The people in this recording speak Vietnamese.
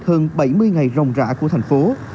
hơn bảy mươi ngày rộng rã của thành phố